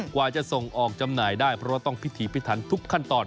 กว่าจะส่งออกจำหน่ายได้เพราะว่าต้องพิธีพิทันทุกขั้นตอน